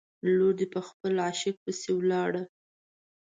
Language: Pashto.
لور دې په خپل عاشق پسې ولاړه.